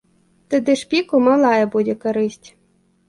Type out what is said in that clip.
Тады шпіку малая будзе карысць.